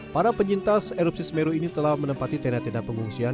para penyintas erupsi semeru ini telah menempati tenda tenda pengungsian